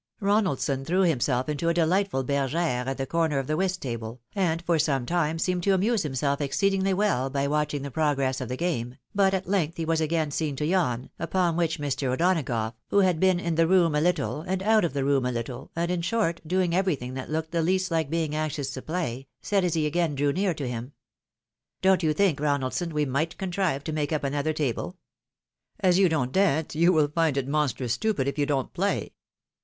Ronaldson threw himself into a delightful iergere at the cor ner of the whist table, and for some time seemed to amuse him self exceedingly well by watching the progress of the game, but WHIST BALANCES PIQUET. 859 at length lie was again seen to yawn, upon which Mr. O'Dona gough, who had been in the room a httle, and out of the room a little, and^ in short, doing everything that looked the least like being anxious to play, said as he again drew near to him, " Don't you think, Ronaldson, we might contrive to make up another table? As you don't dance, you will iind it monstrous stupid if you don't play."